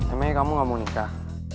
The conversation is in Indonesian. emangnya kamu gak mau nikah